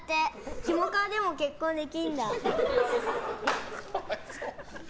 キモかわでも結婚できんだ！